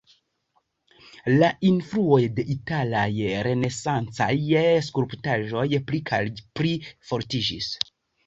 La influoj de italaj renesancaj skulptaĵoj pli kaj pli fortiĝis.